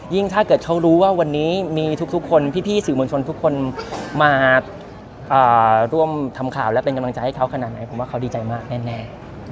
ถ้าเกิดเขารู้ว่าวันนี้มีทุกคนพี่สื่อมวลชนทุกคนมาร่วมทำข่าวและเป็นกำลังใจให้เขาขนาดไหนผมว่าเขาดีใจมากแน่